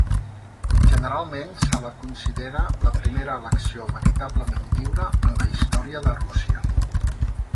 Generalment se la considera la primera elecció veritablement lliure en la història de Rússia.